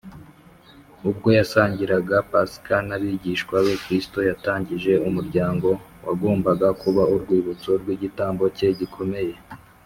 ubwo yasangiraga pasika n’abigishwa be, kristo yatangije umuhango wagombaga kuba urwibutso rw’igitambo cye gikomeye